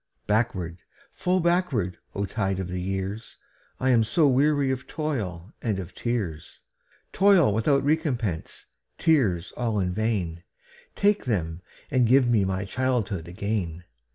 Backward, flow backward, O tide of the years!I am so weary of toil and of tears,—Toil without recompense, tears all in vain,—Take them, and give me my childhood again!